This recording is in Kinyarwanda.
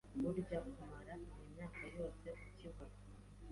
Burya kumara iyi myaka yose ukivugwa